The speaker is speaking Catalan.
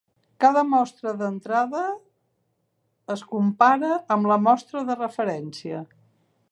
Cada mostra d'entrada es compara amb la mostra de referència.